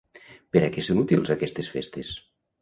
Per a què són útils aquestes festes?